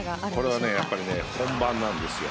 それはやっぱり本番なんですよ。